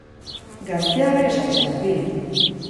Gaztea bere saltsan dabil!